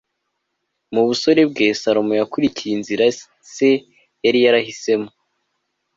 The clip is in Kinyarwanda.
mu busore bwe, salomo yakurikiye inzira se yari yarahisemo